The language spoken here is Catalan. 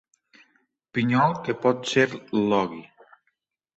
Pinyol que pot ser Iogui.